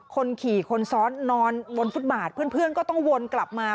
คนขี่คนซ้อนนอนบนฟุตบาทเพื่อนก็ต้องวนกลับมา